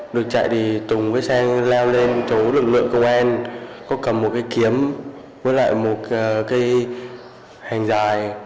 được chạy thì tùng với sang leo lên chỗ lực lượng công an có cầm một cái kiếm với lại một cái hành dài